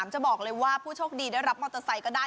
จะบอกเลยว่าผู้โชคดีได้รับมอเตอร์ไซค์ก็ได้